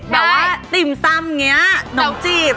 แบบว่าติ่มซำนนกจีบ